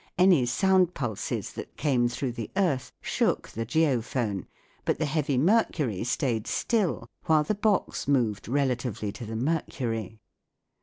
Any sound pulses that came through the earth shook the geophone, but the heavy mercury stayed still while the box moved relatively to the mercury.